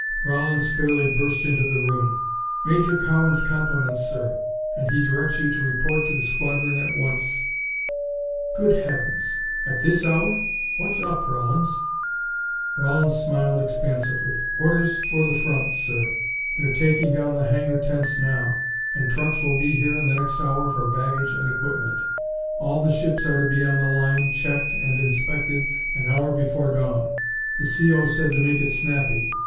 Rawlins fairly burst into the room. "Major Cowan's compliments, sir, and he directs you to report to the squadron at once." "Good heavens! At this hour? What's up, Rawlins?" Rawlins smiled expansively. "Orders for the front, sir. They're taking down the hangar tents now, and trucks will be here in the next hour for baggage and equipment. All the ships are to be on the line, checked and inspected an hour before dawn. The C.O. said to make it snappy.